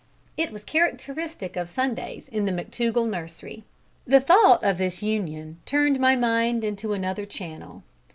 It was characteristic of Sundays in the McTougall nursery. The thought of this union turned my mind into another channel.